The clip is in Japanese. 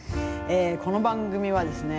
この番組はですね